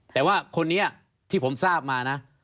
แต่ว่าคนนี้ที่ผมทราบมานะ